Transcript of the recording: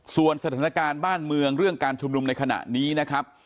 ส่วนสถานการณ์บ้านเมืองเรื่องการชุมนุมในขณะนี้นะครับ